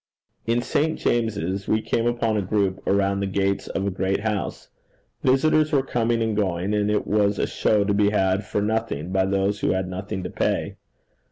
In St. James's we came upon a group around the gates of a great house. Visitors were coming and going, and it was a show to be had for nothing by those who had nothing to pay.